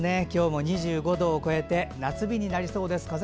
今日も２５度を超えて夏日になりそうです。